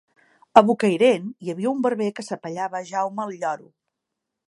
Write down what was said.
A Bocairent hi havia un barber que s’apellava Jaume el Lloro.